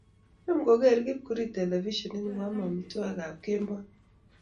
Cham kogeerei kipkurui telefishionit ngeame amitwogikab kemboi